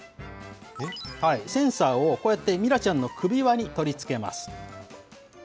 センサーをこうやってミラちゃんの首輪に取り付けます。